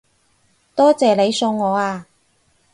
多謝你送我啊